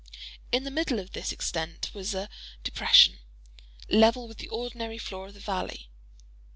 In the middle of this extent was a depression, level with the ordinary floor of the valley.